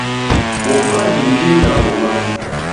Bôt ba nhim kii i ndap boma?